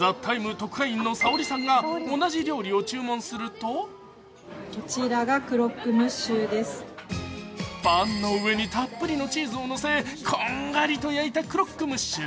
特派員のＳａｏｒｉさんが同じ料理を注文するとパンの上にたっぷりのチーズをのせこんがりと焼いたクロックムッシュ。